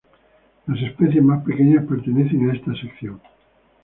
Las especies más pequeñas pertenecen a esta sección.